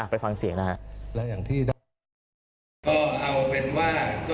ไปฟังเสียงนะฮะ